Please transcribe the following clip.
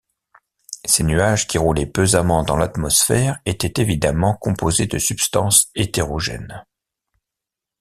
Ces nuages, qui roulaient pesamment dans l’atmosphère, étaient évidemment composés de substances hétérogènes.